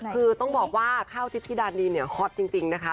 คือต้องบอกว่าข้าวทิพย์ธิดานีเนี่ยฮอตจริงนะคะ